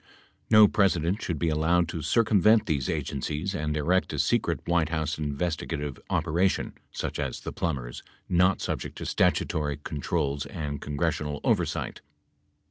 No President should be allowed to circumvent these agencies and erect a secret White House investigative operation such as the Plumbers not subject to statutory controls and congressional oversight.